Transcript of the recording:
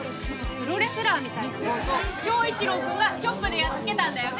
プロレスラーみたいな強盗祥一郎君がチョップでやっつけたんだよね